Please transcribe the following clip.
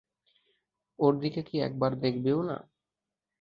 ওর দিকে কী একবার দেখবেও না?